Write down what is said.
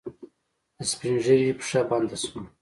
د سپينږيري پښه بنده شوه.